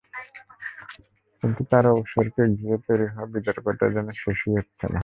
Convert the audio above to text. কিন্তু তাঁর অবসরকে ঘিরে তৈরি হওয়া বিতর্কটা যেন শেষই হচ্ছে না।